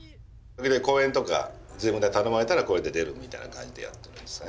時々講演とか自分で頼まれたらこれで出るみたいな感じでやってるんですね。